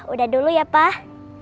udah dulu ya pak